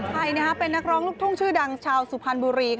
ใครนะคะเป็นนักร้องลูกทุ่งชื่อดังชาวสุพรรณบุรี